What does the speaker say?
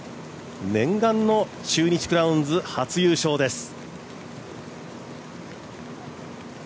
念願の中日クラウンズ初優勝です。